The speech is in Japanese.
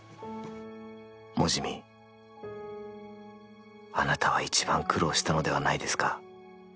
モジミ、あなたは一番苦労したのではないですか？